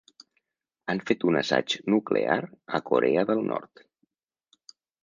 Han fet un assaig nuclear a Corea del Nord